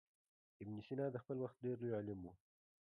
ابن سینا د خپل وخت ډېر لوی عالم و.